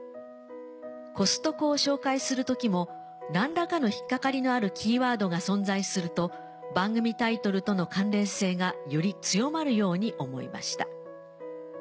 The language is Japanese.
コストコを紹介する時も何らかの引っかかりのあるキーワードが存在すると番組タイトルとの関連性がより強まるように思いました」。